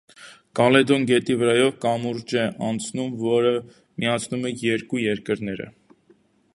Կալեդոն գետի վրայով կամուրջ է անցնում, որը միացնում է երկու երկրները։